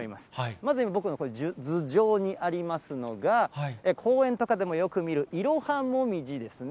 まず今、僕の頭上にありますのが、公園とかでもよく見るイロハモミジですね。